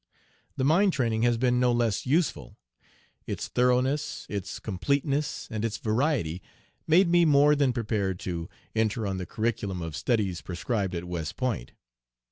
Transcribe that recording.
The mind training has been no less useful. Its thoroughness, its completeness, and its variety made me more than prepared to enter on the curriculum of studies prescribed at West Point.